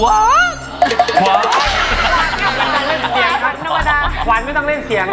ขวานไม่ต้องเล่นเสียง